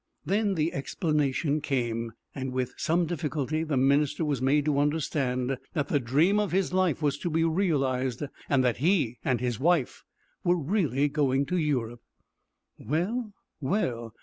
Then the explanation came, and with some difficulty the minister was made to understand that the dream of his life was to be realized, and that he and his wife were really going to Europe. "Well, well!